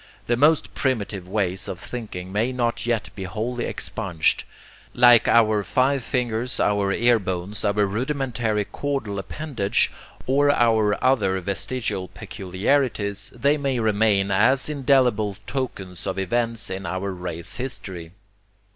The most primitive ways of thinking may not yet be wholly expunged. Like our five fingers, our ear bones, our rudimentary caudal appendage, or our other 'vestigial' peculiarities, they may remain as indelible tokens of events in our race history.